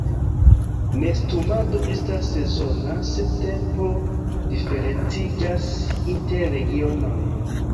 Nestumado estas sezona, sed tempo diferenciĝas inter regionoj.